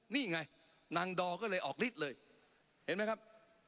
นี่ไงนางดอก็เลยออกฤทธิ์เลยเห็นไหมครับ